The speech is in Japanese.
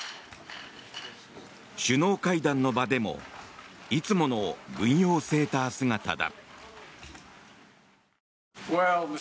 首脳会談の場でもいつもの軍用セーター姿だ。